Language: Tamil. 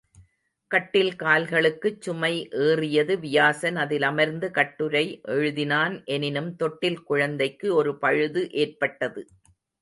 கட்டில்கால்களுக்குச் சுமை ஏறியது வியாசன் அதில் அமர்ந்து கட்டுரை எழுதினான் எனினும் தொட்டில் குழந்தைக்கு ஒரு பழுது ஏற்பட்டது.